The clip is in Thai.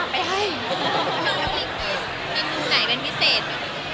แม่งงุมไหนเป็นพิเศษ